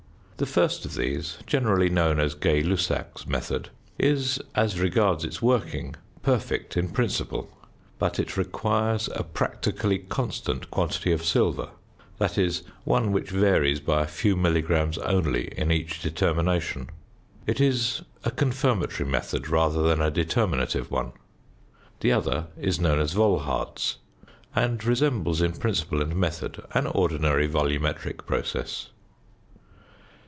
The first of these, generally known as "Gay Lussac's" method is, as regards its working, perfect in principle; but it requires a practically constant quantity of silver, that is, one which varies by a few milligrams only in each determination. It is a confirmatory method rather than a determinative one. The other is known as "Volhard's," and resembles in principle and method an ordinary volumetric process.